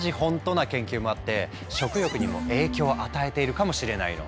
な研究もあって食欲にも影響を与えているかもしれないの。